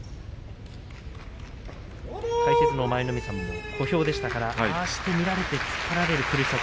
解説の舞の海さんも小兵でしたから、ああして攻め込まれて突っ張られる苦しさ